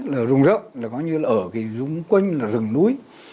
là rung rỡ là có như là ở cái rung quênh là rừng núi